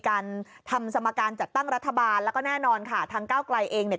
การทำสมการจัดตั้งรัฐบาลแล้วก็แน่นอนค่ะทางก้าวไกลเองเนี่ย